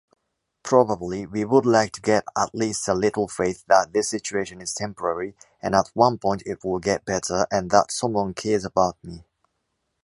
Probably we would like to get at least a little faith that this situation is temporary and at one point it will get better, and that someone cares about me.